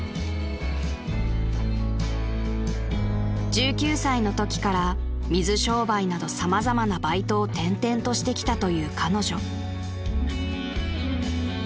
［１９歳のときから水商売など様々なバイトを転々としてきたという彼女］